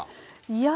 いや。